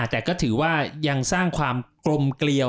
แต่ก็ถือว่ายังสร้างความกลมเกลียว